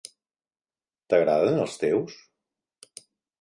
T'agraden els teus??